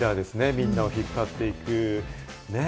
みんなを引っ張っていく。